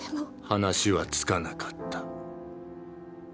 話はつかなかった。